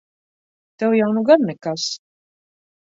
Tev jau nu gan nekas!